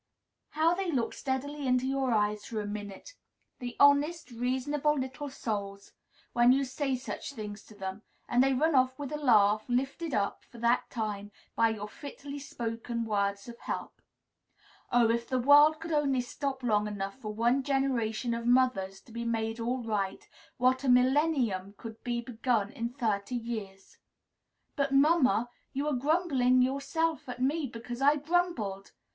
How they look steadily into your eyes for a minute, the honest, reasonable little souls! when you say such things to them; and then run off with a laugh, lifted up, for that time, by your fitly spoken words of help. Oh! if the world could only stop long enough for one generation of mothers to be made all right, what a millennium could be begun in thirty years! "But, mamma, you are grumbling yourself at me because I grumbled!"